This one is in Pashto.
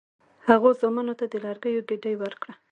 هغه زامنو ته د لرګیو ګېډۍ ورکړه.